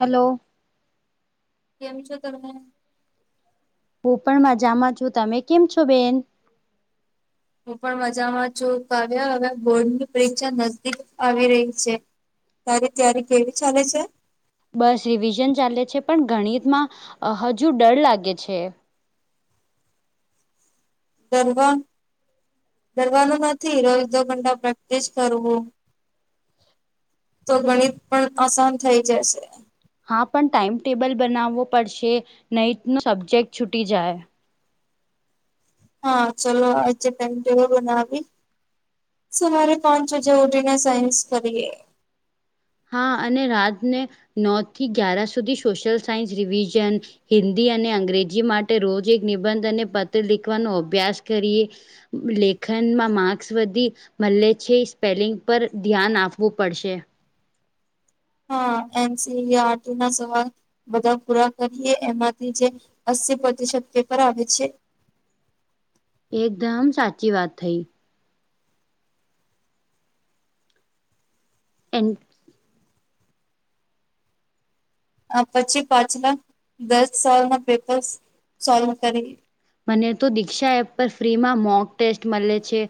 Hello કેમ છો તમે હું પણ મજામાં છું તમે કેમ છો બેન હું પણ મજામાં છું કાવ્યા હવે બોર્ડની પરીક્ષા નજદીક આવી રહી છે તારી ત્યારી કેવી ચાલે છે બસ રિવિઝન ચાલે છે પણ ગણિતમાં હજુ ડર લાગે છે ડર દરવાનું નથી રોજ દો ઘંટા પ્રેક્ટિસ કરવું તો ગણિત પણ આસાન થઇ જશે હા પણ ટાાઈમટેબલ બનાવવો પડશે નહી ન સબ્જેક્ટ છૂટી જાય હા ચલો આજે ટાઈમટેબલ બનાવી સવારે પાંચ વાજે ઉઠીને સાયન્સ કરીએ હા અને રાતને નવ થી ગ્યારા સુધી સોશિયલ સાયન્સ રિવિઝન હિન્દી અને અંગ્રેજી માટે રોજ એક નિબંધ અને પત્ર લિખવાનો અભ્યાસ કરીએ લેખનમાં માક્સ વધી મલે છે સ્પેલિંગ પર ધ્યાન આપવું પડશે. હા એનસી આરટી ના સવાલ બધા પૂરા કરીએ એમાંથી જે અસ્સી પ્રતિશત પેપર આવે છે. એકદમ સાચી વાત થઈ. એન્ડ પછી પાછલા દસ સાલ ના પેપર સોલ્વ કરીએ. મને તો દીક્ષા એપ પર ફ્રીમાં મોક ટેસ્ટ મળે છે.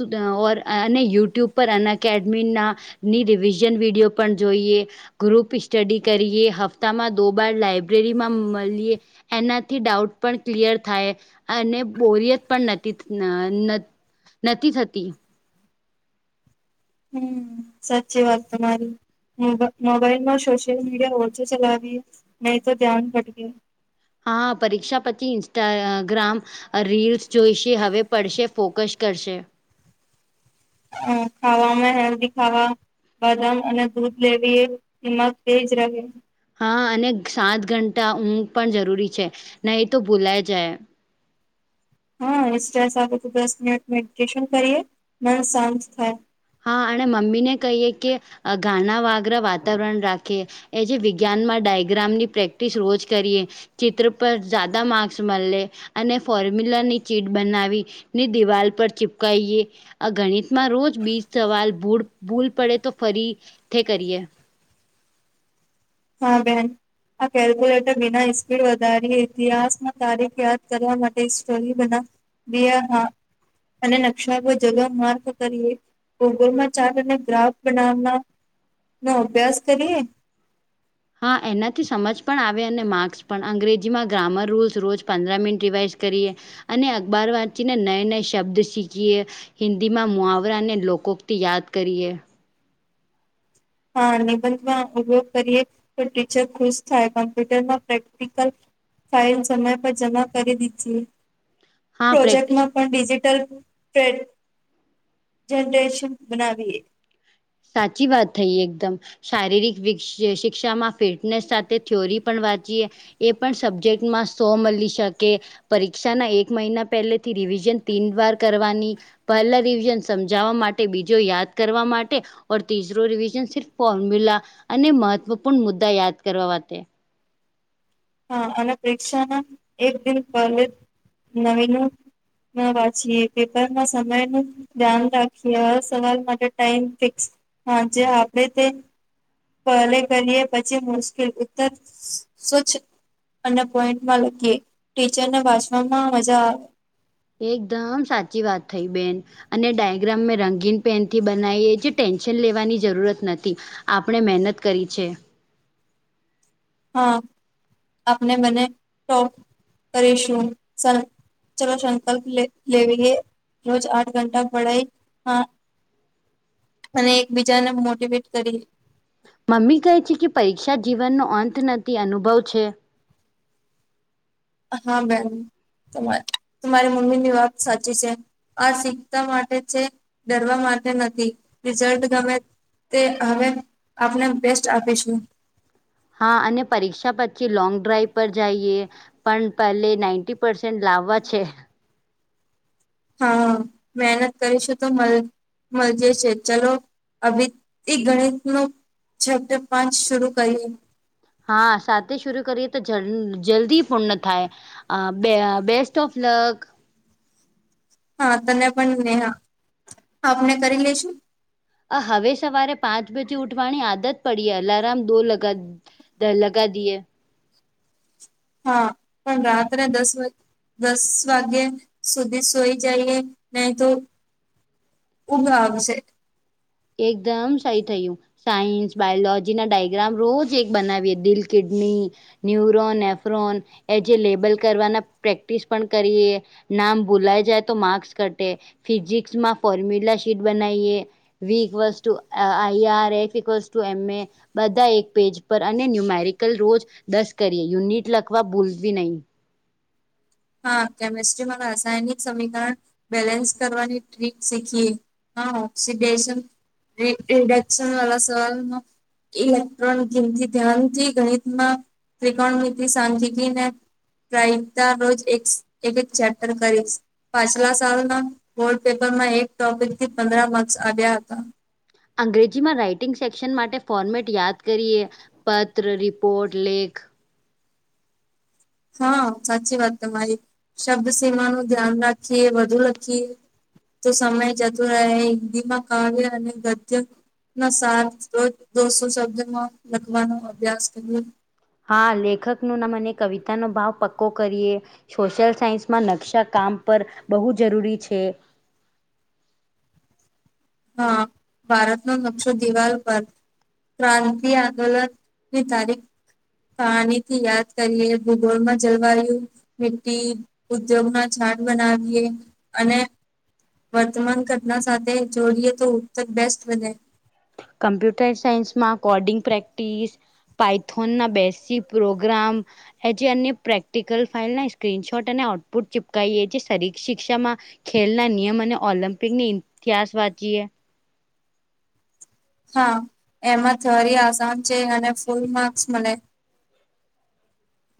[unintelligible] અને યુટ્યુબ પર આન અકેડમીના ની રિવિઝન વિડીયો પણ જોઈએ. ગ્રુપ સ્ટડી કરીએ હપ્તામાં દો બાર લાઈબ્રેરીમાં મળીએ. એનાથી ડાઉટ પણ ક્લિયર થાય. અને બોરિયત પણ નથી નથી થતી. હમ્મ સાચી વાત તમારી. મોબ મોબાઈલમાં સોશિયલ મીડિયા ઓછું ચલાવીએ નહી તો ધ્યાન ભટકે. હા પરીક્ષા પછી ઇન્સ્ટાગ્રામ રીલ્સ જોઈશે હવે પડશે ફોકસ કરશે. હા ખાવા મે હેલ્દી ખાવા બદામ અને દૂધ લેવીએ દિમાગ તેજ રહે. હા અને સાત ઘંટા ઊંઘ પણ જરૂરી છે નહી તો ભૂલાય જાય. હા સ્ટ્રેસ સાથે તો દસ મિનિટ મેડિટેશન કરીએ મન શાંત થાય. હા અને મમ્મી ને કહીએ કે ઘાના વાગરા વાતાવરણ રાખીએ. એ જે વિજ્ઞાનમાં ડાયગ્રામની પ્રેક્ટિસ રોજ કરીએ. ચિત્ર પર જાદા માર્ક્સ મળે અને ફોર્મ્યુલાની ચીટ બનાવી ની દિવાલ પર ચીપકઈએ આ ગણિત માં રોજ બીજ સવાલ ભૂ ભૂલ પડે તો ફરીથી કરીએ. હા બહેન. આ કેલ્ક્યુલેટર વિના સ્પીડ વધારીએ ઇતિહાસમાં તારીખ યાદ કરવા માટે સ્ટોરી બના [unintelligible] હા અને નકશા પર જગહ માર્ગ કરીએ. ગૂગલ માં ચાર્ટ અને ગ્રાફ બનાવના નો અભ્યાસ નો કરીએ. હા એનાથી સમજ પણ આવે અને માર્ક્સ પણ અંગ્રેજીમાં ગ્રામર રૂલ્સ રોજ પંદર મિનિટ રિવાઇઝ કરીએ. અને અખબાર વાંચીને નય નય શબ્દ શીખીએ. હિન્દીમાં મુહાવરા ને લોકોક [unintelligible] યાદ કરીએ. હા નિબંધમાં ઉપયોગ કરીએ તો ટીચર ખુશ થાય કોમ્પ્યુટરમાં પ્રેક્ટિકલ ફાઇલ સમય પર જમા કરી દીધી હા પ્રેક્ટિસ પ્રોજેક્ટમાં પણ ડિજિટલ જ જનરેશન બનાવીએ સાચી વાત થઈ એકદમ. શારીરિક શિક્ષામાં ફિટનેસ સાથે થિયોરી પણ વાંચીએ. એ પણ સબ્જેક્ટમાં સો મળી શકે. પરીક્ષાના એક મહિના પહેલેથી રિવિઝન તીન વાર કરવાની. પહેલા રિવિઝન સમજાવવા માટે બીજો યાદ કરવા માટે ઓર ત્રીસરો રિવિઝન સિફ ફોર્મ્યુલા અને મહત્વપૂર્ણ મુદ્દા યાદ કરવા માટે. હા અને પરીક્ષાના એક દિન પહેલે નવીનું ના વાંચીએ પેપર ના સમય નું ધ્યાન રાખીએ આ સવાલ માટે ટાઈમ ફિક્સ હ જે આપડે તે પલે કરીએ પછી મુશ્કેલ ઉત્તર સુ્ અને પોઈન્ટમાં લખીએ ટીચરને વાંચવામાં મજા આવે એકદમ સાચી વાત થઈ બેન અને ડાયગ્રામ મેં રંગીન પેનથી બનાવી એ જે ટેન્શન લેવાની જરૂરત નથી આપણે મહેનત કરી છે હા આપડે બને ટોપ કરીશું ચલો સંકલ્પ લે લેવીએ રોજ આઠ ઘંટા પડાઈ હા અને એકબીજાને મોટવેટ કરી મમ્મી કહે છે કે પરીક્ષા જીવનનો અંત નથી અનુભવ છે હા બેન તમા તમારી મમ્મી ની વાત સાચી છે આ શીખતા માટે છે ડરવા માટે નથી રિઝલ્ટ ગમે તે હવે આપને બેસ્ટ આપીશું હા અને પરીક્ષા પછી લોંગ ડ્રાઈવ પર જઈએ પણ પહેલે નાઈન્ટી પસેન્ટ લાવવા છે હા મહેનત કરીશું તો મ મળજે છે ચલો આવીભ એક ગણિત નૂ ચેપટ પાંચ શરૂ કરીએ હા સાથે સુરુ કરીએ તો જ જલ્દી પૂર્ણ થાય આ બે બેસ્ટ ઓફ લક હા તને પણને હા આપને કરી લઈેશું આ હવે સવારે પાંચ બજે ઉઠવાની આદત પડી અલારામ દો લગ દ લગા દએ હા પણ રાત્રે દસ વ દસ વાગ્યા સુધી સોઈ જઈએ નહી તો ઊંઘ આવસે એકદમ સહી થયું સાયન્સ બાયોલોજી ના ડાયગ્રામ રોજ એક બનાવીએ દિલ કિડની ન્યુરોન એફરોન એ જે લેબલ કરવાના પ્રેક્ટિસ પણ કરીએ નામ ભૂલાઈ જાય તો માર્ક્સ ઘટે ફિઝિકસમાં ફોર્મ્યુલા શીટ બનાવીએ વીક વસ ટુ આઈ આર એફવ ટુ એમ એ બધા એક પેજ પર અને ન્યુમેરિકલ રોજ દસ કરીએ યુનિટ લખવા ભૂલવી નહી હા કેમેિસ્ટ્રીમાં રાસાયણિક સમીકરણ બેલેન્સ કરવાની ટ્રીક શીખીએ હા હોક્ષી દેશન રડક્ષન વડા સવાલનો ઇલેક્ટ્રોનિક ગમથી ધ્યાનથી ગણિતમાં ત્રિકોણ ની સાજીને પ્રતા રોજ એક એક જ ચેપ્ટર કરીશ પાછલા સાલના બોડ પેપરમાં એક ટોપિક થી પંદર માર્ક્સ આવ્યા હતા અંગ્રેજીમાં રાઈટિંગ સેક્શન માટે ફોર્મેટ યાદ કરીએ પત્ર રિપોર્ટ લેખ હા સાચી વાત તમારી શબ્દ સમા નું ધ્યાન રાખીએ વધુ લખીએ તો સમય જતો રહે હિન્દી માં કાવ્ય અને ગદ્ય ના સાત તો દોસો શબ્દમાં લખવાનો અભ્યાસ કરિયે હા લેખક ન ના મને કવિતાનો ભાવ પક્કો કરીએ સોશિયલ સાયન્સમાં નકશા કામ પર બહુ જરૂરી છે હા ભારતનો નકશો દિવાલ પર ક્રાંતિ આંદોલન ની તારીખ, પાણી થી યાદ કરીએ ભૂગોળ માં જલવાયુ, મિટી ઉદ્યોગ ના છાડ બનાવીએ અને, વર્તમાન ઘટના સાથે જોડીએ તો ઉત્તર બેસ્ટ વને, કમ્પ્યુટર સાયન્સમાં કોડિંગ પ્રેક્ટિસ, પાઇથોન ના બેસીક પ્રોગ્રામ, એ જે અન્ય પ્રેક્ટિકલ ફાઇલ ના સ્ક્રીનશોટ અને આઉટપુટ ચીપકઈએ છે શરીર શિક્ષામાં, ખેલના નિયમ અને ઓલિમ્પિકની ઇતિહાસ વાંચીએ, હા એમાં થ્યોરી આસાન છે અને ફૂલ માર્ક્સ મળે.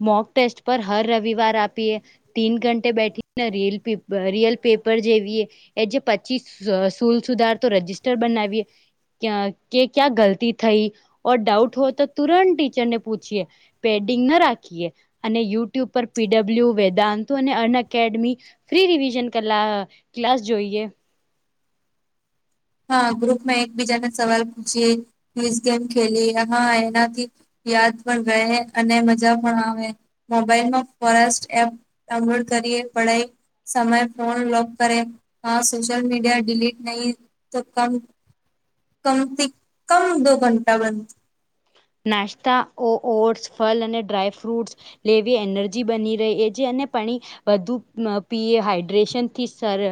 મોક ટેસ્ટ પર હર રવિવાર આપીએ. તીન ઘંટેે બેઠી ને રિલ રિયલ પેપર જેવી એ. એજે પછી સુલ સુધાર તો રજિસ્ટર બનાવીએ. કે ક્યાં ગલતી થઈ ઓર ડાઉટ હો તો તુરંત ટીચરને પૂછીએ. પેડિંગ ન રાખીએ અને યુટ્યુબ પર પીડબ્લ્યુ વેદાંતો અને અન અકેડમી, ફ્રી રિવિઝન કરલા ક્લાસ જોઈએ. હા ગ્રુપમાં એકબીજાને સવાલ પૂછીએ ક્વિઝ ગેમ ખેલિએ હા એનાથી, યાદ પણ રહે અને મજા પણ આવે મોબાઈલમાં ફરેસ્ટ એપ, ડાઉનલોડ કરીએ પઢાઈ, સમય ફોન લોક કરે હ સોશિલ મીડિયા ડિલીટ નહીં. તો કમ કમથી કમ દો ઘંટા બંધ. નાસ્તા ઓ ઓટ્સ, ફલ અને ડ્રાય ફ્રૂટ્સ, લેવી એનર્જી બની રહે એ જે અને પાણી, વધુ પીએ હાઈડ્રેશન થી સર,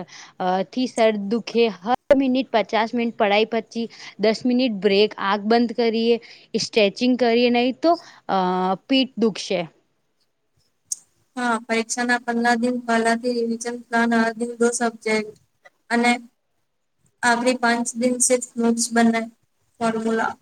અ થી સર દુઃખે હ મિનિટ પચાસ મિનિટ પડાઈ પછી, દસ મિનિટ બ્રેક આંખ બંધ કરીએ્ સ્ટ્રેચિંગ કરીએ નહીં તો અ પીઠ દુખશે. હા પરીક્ષા ના પંદર દિન પહેલાથી રિવિઝન પ્લાન દિ દો સબ્જેક્ટ. અને આપણી પાંચ દિવસે નોટ્સ બને formula,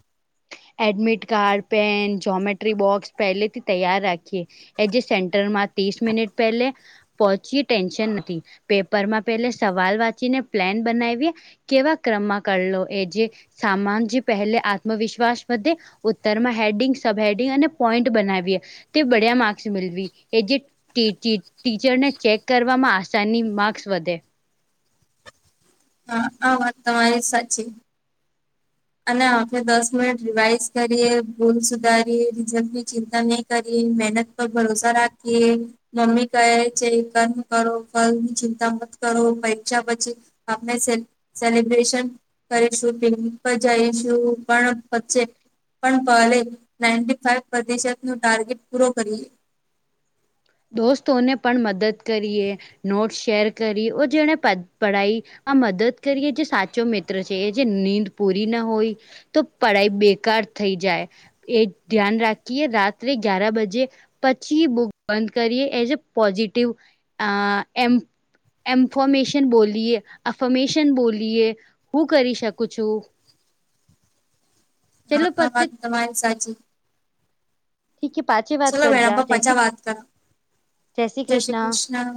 admit card, pen, geometry box પહેલેથી તૈયાર રાખીએ. એ જે સેન્ટરમાં ત્રીસ મિનિટ પહેલે, પહોંચી ટેન્શન નથી પેપરમાં પેલે સવાલ વાંચીને પ્લેન બનાવીએ, કેવા ક્રમમાં કરલો એ જે સામાન જેય પહેલે આત્મવિશ્વાસ, બધે ઉત્તરમાં હેડિંગ, સબ હેડિંગ અને પોઈન્ટ બનાવીએ. તે બડ્યા માાર્કસ મલવી એજે ટ ટીચરને ચેક કરવામાં આસાની માર્ક્સ વધે. હા આ વાત તમારી સાચી. અને આપણે દસ મિનિટ રિવાઈઝ કરીએ ભૂલ સુધારીએ રિઝલ્ટની ચિંતા નહી કરીએ મેહનત, પર ભરોસા રાખીએ. મમ્મી કહે છે કર્મ કરો ફલ ની ચિંતા મત કરો પરીક્ષા પછી, આપને સેલિબ્રેશન કરીશું પિક જઈશું પણ વચ્ચે, પણ પહલે નાઇનટી ફાઈ પ્રતિશત નુ ટાર્ગેટ પૂરો કરીએ. દોસ્તોને પણ મદદ કરીએ, નોટ્સ શેર કરી ઓ જેણે પઢાઈ, આ મદદ કરીએ જે સાચો મિત્ર છે એ જે નીંદ પૂરી ના હોય. તો પઢાઈ બેકાર થઈ જાય. એ ધ્યાન રાખીએ રાત્રે ગ્યાર બજે પછી બો બંધ કરીએ એઝ એ પોઝિટિવ અ એમ. એમન્ફોમેશન બોલીએ, અફોમેશન બોલીએ. હું કરી શકું છું. ચલો હા-હા પરચિત વાત તમારી સાચી. ઇ કે પાછે. ચલો મેડમ આપે પછે વાત કરા જય શ્રી કૃષ્ણ.